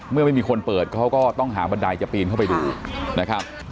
ไม่มีคนเปิดเขาก็ต้องหาบันไดจะปีนเข้าไปดูนะครับ